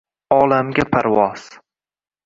Olamga parvoz